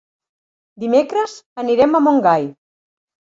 Dimecres anirem a Montgai.